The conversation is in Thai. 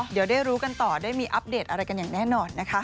เดี๋ยวได้รู้กันต่อได้มีอัปเดตอะไรกันอย่างแน่นอนนะคะ